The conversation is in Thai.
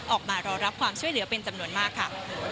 ออกมารอรับความช่วยเหลือเป็นจำนวนมากค่ะ